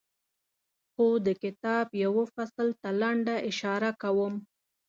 خو د کتاب یوه فصل ته لنډه اشاره کوم.